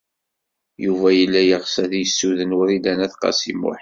Yuba yella yeɣs ad yessuden Wrida n At Qasi Muḥ.